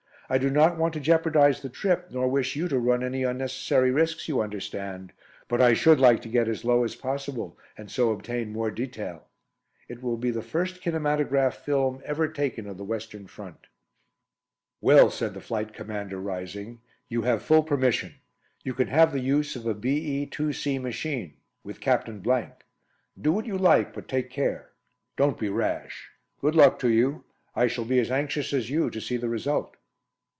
I do not want to jeopardise the trip, nor wish you to run any unnecessary risks, you understand, but I should like to get as low as possible, and so obtain more detail. It will be the first kinematograph film ever taken of the Western Front." "Well," said the Flight Commander, rising, "you have full permission. You can have the use of a BE 2C machine, with Captain . Do what you like, but take care. Don't be rash. Good luck to you. I shall be as anxious as you to see the result."